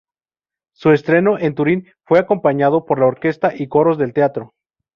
Su estreno en Turín fue acompañado por la orquesta y coros del teatro.